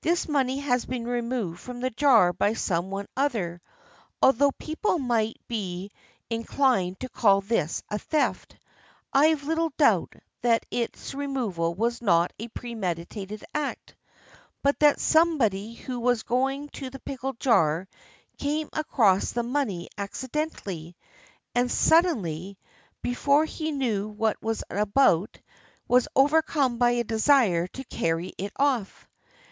This money has been removed from the jar by some one or other. Although people might be in clined to call this a theft, I have little doubt that its removal was not a premeditated act, but that somebody who was going to the pickle jar came across the money accidentally ; and suddenly, before he knew what he was about, was overcome by a desire to carry it off.